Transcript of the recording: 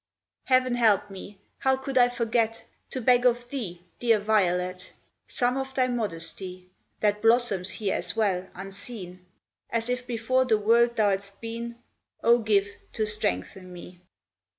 Heaven help me! how could I forget To beg of thee, dear violet! Some of thy modesty, That blossoms here as well, unseen, As if before the world thou'dst been, O, give, to strengthen me.